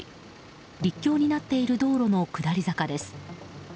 陸橋になっている道路の下り坂です。